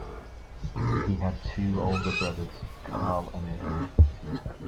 He had two older brothers: Karl and Edwin.